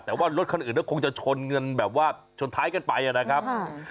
แต่ว่ารถคันอื่นก็คงจะชนกันแบบว่าชนท้ายกันไปนะครับ